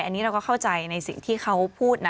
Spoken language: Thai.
อันนี้เราก็เข้าใจในสิ่งที่เขาพูดนะ